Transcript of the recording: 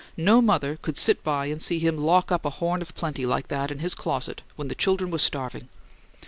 No mother could sit by and see him lock up a horn of plenty like that in his closet when the children were starving!"